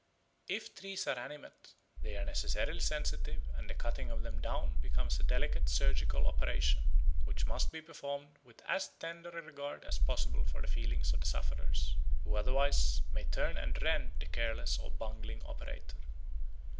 If trees are animate, they are necessarily sensitive and the cutting of them down becomes a delicate surgical operation, which must be performed with as tender a regard as possible for the feelings of the sufferers, who otherwise may turn and rend the careless or bungling operator.